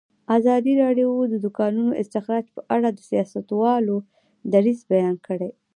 ازادي راډیو د د کانونو استخراج په اړه د سیاستوالو دریځ بیان کړی.